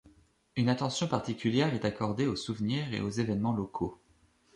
Une attention particulière est accordée aux souvenirs et aux événements locaux.